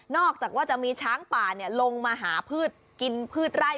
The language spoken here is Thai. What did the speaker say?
อกจากว่าจะมีช้างป่าลงมาหาพืชกินพืชไร่